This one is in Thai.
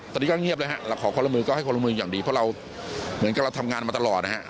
ตอนนี้ก็เงียบเลยฮะเราขอคนละมือก็ให้คนละมืออย่างดีเพราะเราเหมือนกับเราทำงานมาตลอดนะฮะ